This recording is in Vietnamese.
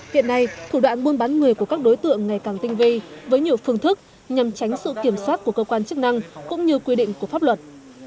hiện nay thủ đoạn buôn bán người của các đối tượng ngày càng tinh vi với nhiều phương thức nhằm tránh sự kiểm soát của cơ quan chức năng cũng như quy định của pháp luật